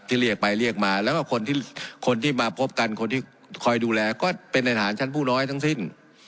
เรียกไปเรียกมาแล้วก็คนที่คนที่มาพบกันคนที่คอยดูแลก็เป็นในฐานชั้นผู้น้อยทั้งสิ้น